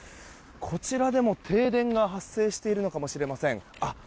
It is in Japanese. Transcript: こちらでも停電が発生しているのかもしれません。